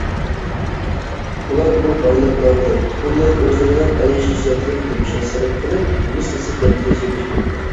ئۇلار بۇ بايلىقلارنى پۈتۈنلەي ئۆزلىرىنىڭ ئەيش- ئىشرەتلىك تۇرمۇشىغا سەرپ قىلىپ مىسلىسىز دەرىجىدە چىرىكلىشىپ كەتتى.